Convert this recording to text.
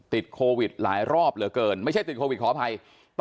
ติดโควิดหลายรอบเหลือเกินไม่ใช่ติดโควิดขออภัย